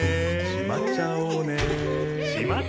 しまっちゃおうね。